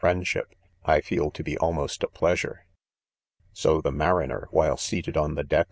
friendship, J feel to be almost,, a. pleasure. .. So the mariner, while seated on the"deck.